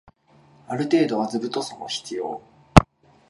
ある程度は図太さも必要